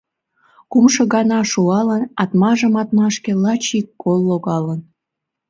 Кумшо гана шуалын атмажым Атмашке лач ик кол логалын